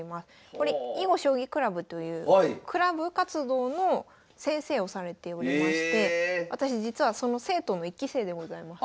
これ囲碁将棋クラブというクラブ活動の先生をされておりまして私実はその生徒の１期生でございます。